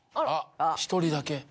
１人だけ。